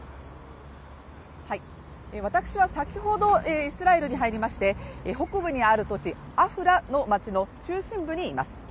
私は先ほどイスラエルに入りまして、北部にある都市アフラという街の中心部にいます。